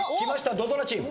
土ドラチーム。